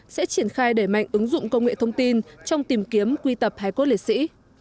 sẽ triển khai đẩy mạnh ứng dụng công nghệ thông tin trong tìm kiếm quy tập hai quốc lịch sĩ